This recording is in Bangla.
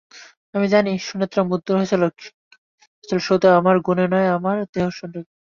আমি জানি, সুনেত্রা মুগ্ধ হয়েছিল শুধু আমার গুণে নয়, আমার দেহসৌষ্ঠবে।